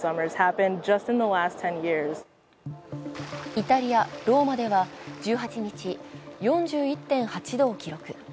イタリア・ローマでは１８日、４１．８度を記録。